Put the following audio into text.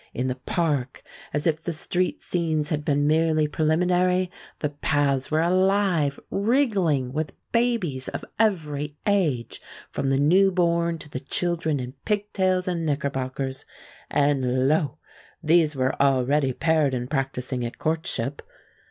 In the park, as if the street scenes had been merely preliminary, the paths were alive, wriggling, with babies of every age, from the new born to the children in pigtails and knickerbockers and, lo! these were already paired and practising at courtship.